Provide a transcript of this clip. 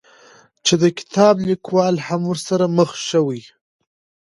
چې د کتاب ليکوال هم ورسره مخ شوى،